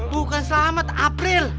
bukan selamat april